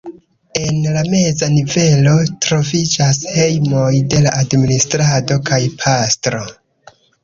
En la meza nivelo troviĝas hejmoj de la administrado kaj pastro.